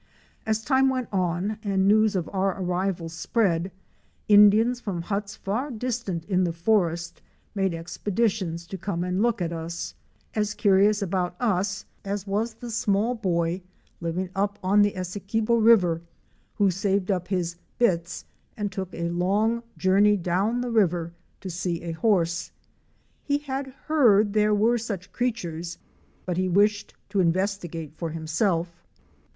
As time went on and news of our arrival spread, Indians from huts far distant in the forest made expeditions to come and look at us; as curious about us as was the small boy living up on the Essequibo River who saved up his "bits" and took a long journey down the river to see a horse. He had heard that there were such creatures but he wished to investigate for himself.